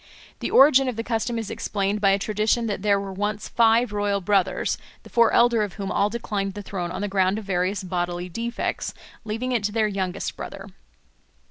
The origin of the custom is explained by a tradition that there were once five royal brothers, the four elder of whom all declined the throne on the ground of various bodily defects, leaving it to their youngest brother.